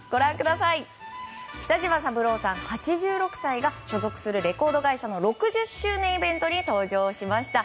北島三郎さん、８６歳が所属するレコード会社の６０周年イベントに登場しました。